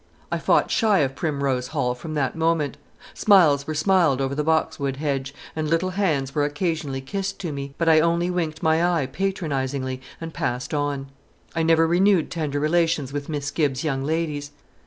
I fought shy of Primrose Hall from that moment. Smiles were smiled over the boxwood hedge, and little hands were occasionally kissed to me; but I only winked my eye patronizingly, and passed on. I never renewed tender relations with Miss Gibbs's young ladies.